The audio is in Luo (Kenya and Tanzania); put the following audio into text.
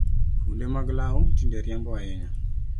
Funde mag law tinde riambo ahinya